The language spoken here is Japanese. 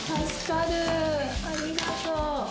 ありがとう。